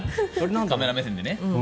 カメラ目線でね。